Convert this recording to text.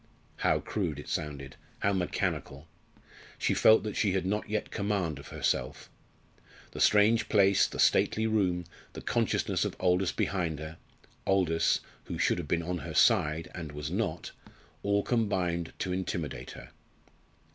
How crude it sounded how mechanical! She felt that she had not yet command of herself. The strange place, the stately room, the consciousness of Aldous behind her Aldous, who should have been on her side and was not all combined to intimidate her.